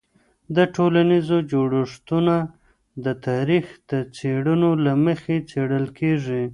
د ټولنیز جوړښتونه د تاریخ د څیړنو له مخې څیړل کېږي.